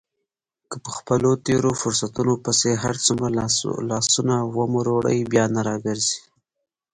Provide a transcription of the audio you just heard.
که په خپلو تېرو فرصتونو پسې هرڅومره لاسونه ومروړې بیا نه را ګرځي.